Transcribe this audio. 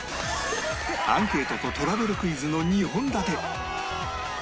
アンケートとトラベルクイズの２本立て